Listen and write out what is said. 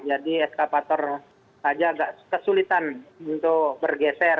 jadi eskapator saja agak kesulitan untuk bergeser